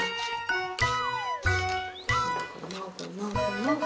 もぐもぐもぐ。